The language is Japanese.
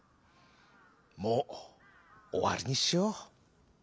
もうおわりにしよう」。